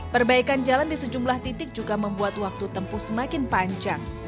perbaikan jalan di sejumlah titik juga membuat waktu tempuh semakin panjang